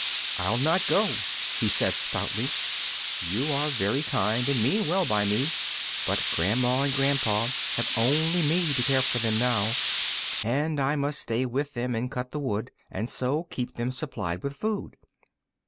"I'll not go," he said, stoutly; "you are very kind, and mean well by me, but grandma and grandpa have only me to care for them now, and I must stay with them and cut the wood, and so keep them supplied with food."